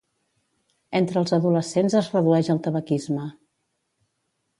Entre els adolescents es redueix el tabaquisme.